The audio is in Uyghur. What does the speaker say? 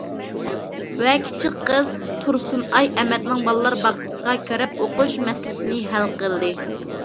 ۋە كىچىك قىز تۇرسۇنئاي ئەمەتنىڭ بالىلار باغچىسىغا كىرىپ ئوقۇش مەسىلىسىنى ھەل قىلدى.